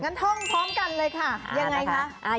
งั้นท่องพร้อมกันเลยค่ะอย่างไรคะ